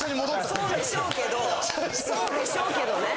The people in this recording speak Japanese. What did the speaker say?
そうでしょうけどそうでしょうけどね！